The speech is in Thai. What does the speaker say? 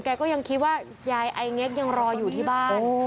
แกก็ยังคิดว่ายายไอเง็กยังรออยู่ที่บ้าน